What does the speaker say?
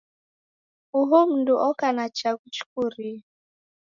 Uhu mundu oka na chaghu chikurie.